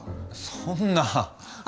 そんなあ。